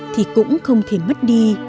thì cũng không thể mất đi